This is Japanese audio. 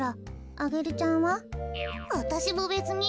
アゲルちゃんは？わたしもべつに。